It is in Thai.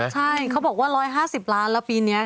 ใช่เขาบอกว่า๑๕๐ล้านแล้วปีนี้